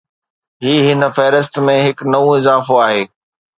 هي هن فهرست ۾ هڪ نئون اضافو آهي.